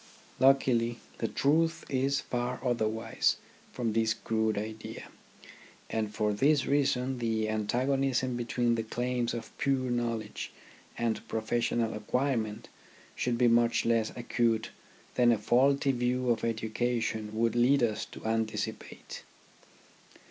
Luckily, the truth is far otherwise from this crude idea ; and for this reason the antagonism between the claims of pure .knowledge and professional acquirement should be much less acute than a faulty view of education would lead us to anticipate.